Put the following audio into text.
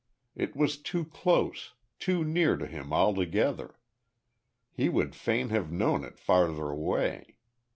It was too close too near to him altogether. He would fain have known it farther away.